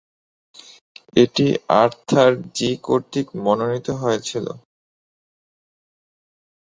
এটি Arthur G কর্তৃক মনোনীত হয়েছিল।